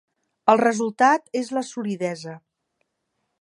El resultat és la solidesa.